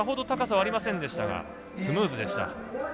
高さはありませんでしたがスムーズでした。